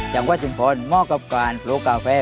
อย่างว่าจริงมอบกับการปลูกกาแฟ